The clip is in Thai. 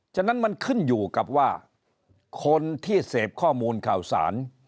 ฉะนั้นมันขึ้นอยู่กับว่าคนที่เสพข้อมูลข่าวสาร